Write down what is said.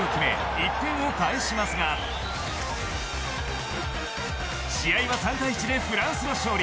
１点を返しますが試合は３対１でフランスの勝利。